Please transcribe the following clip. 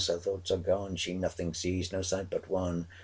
her thoughts are gone, She nothing sees no sight but one!